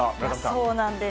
そうなんです。